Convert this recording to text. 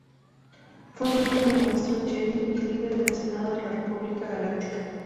Fue un antiguo Maestro Jedi y líder del Senado de la República Galáctica.